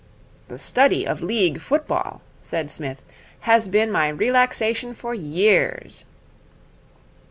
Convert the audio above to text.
'The study of League football,' said Psmith, 'has been my relaxation for years.'